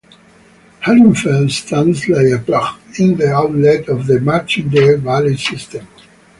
Hallin Fell stands like a plug in the outlet of the Martindale valley system.